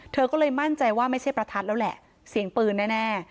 เธอก็เลยมั่นใจว่าไม่ใช่ประทัดแล้วแหละเสียงปืนแน่